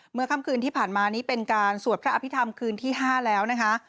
ค่ำคืนที่ผ่านมานี้เป็นการสวดพระอภิษฐรรมคืนที่๕แล้วนะคะ